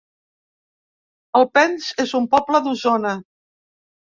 Alpens es un poble d'Osona